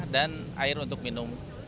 dan air untuk minum